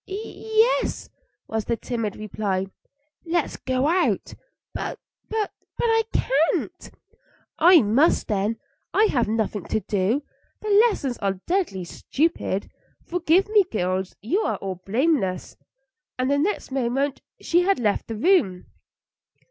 "Y es," was the timid reply. "Let's go out." "But I I can't." "I must, then. I have nothing to do; the lessons are deadly stupid. Forgive me, girls; you are all blameless;" and the next moment she had left the room.